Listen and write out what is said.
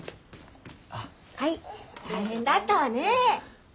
はい大変だったわね。